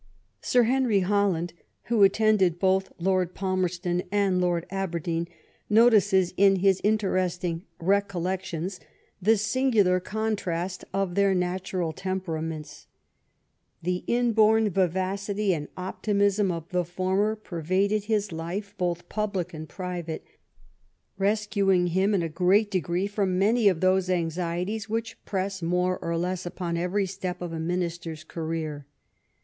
Sip Henry Holland, who attended both Lord Palmerston and Lord Aberdeen, notices, in his interesting Recollections^ * Sir Henry Taylor's Autobiography, vol. ii. pp. 218 219. 2 18 LIFE OF VISCOUNT PALMEB8T0N. the singular contrast of their natural temperaments. The inborn vivacity and optimism of the former per vaded his life, both public and private ; rescuing him in a great degree from many of those anxieties which press more or less upon every step of a Minister's career.